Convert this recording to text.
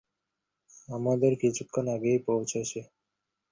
তাহলেই তিনি নিজেকে প্রকাশ করবেন তোমাদের কাছে।